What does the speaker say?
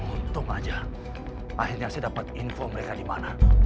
untung aja akhirnya saya dapat info mereka di mana